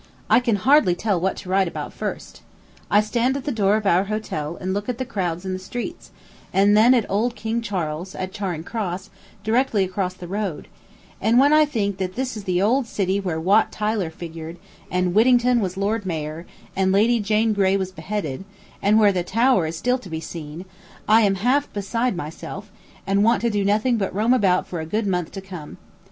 I can hardly tell what to write about first. I stand at the door of our hotel and look at the crowds in the streets, and then at old King Charles, at Charing Cross, directly across the road, and when I think that this is the old city where Wat Tyler figured, and Whittington was lord mayor, and Lady Jane Grey was beheaded, and where the Tower is still to be seen, I am half beside myself, and want to do nothing but roam about for a good month to come.